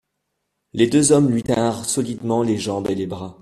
Les deux hommes lui tinrent solidement les jambes et les bras.